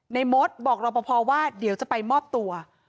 มดบอกรอปภว่าเดี๋ยวจะไปมอบตัว